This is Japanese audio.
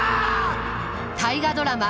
大河ドラマ